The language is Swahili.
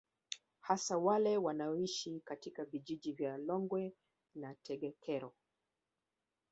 Hasa wale wanaoishi katika vijiji vya Longwe na Tegekero